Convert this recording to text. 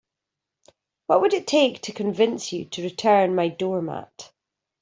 What would it take to convince you to return my doormat?